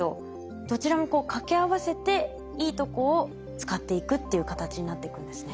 どちらも掛け合わせていいとこを使っていくっていう形になっていくんですね。